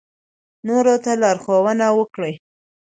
نورو ته لارښوونه وکړئ.